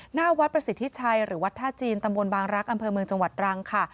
หน้าวัดประสิทธิชัยหรือวัดท่าจีนตำบลบางรักษ์อำเภอเมืองจังหวัดรังค่ะ